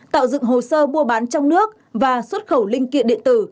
tạo dựng hồ sơ mua bán trong nước và xuất khẩu linh kiện điện tử